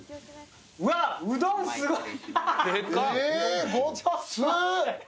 うわっ、うどんすごい！